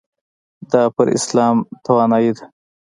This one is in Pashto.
دا پر اسلام توانایۍ ده.